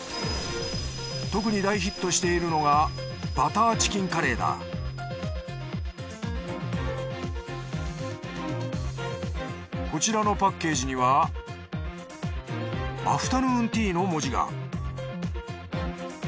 特に大ヒットしているのがバターチキンカレーだこちらのパッケージにはアフタヌーンティーの文字が。